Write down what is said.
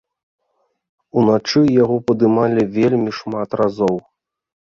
Уначы яго падымалі вельмі шмат разоў.